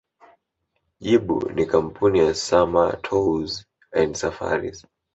Jibu ni Kampuni ya Samâs Tours and Safaris